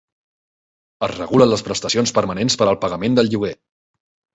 Es regulen les prestacions permanents per al pagament del lloguer.